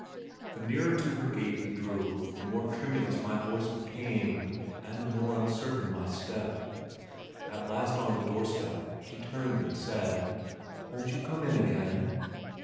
The nearer to her gate we drew the more tremulous my voice became, and the more uncertain my step. At last on the door step she turned and said, "Won't you come in again?"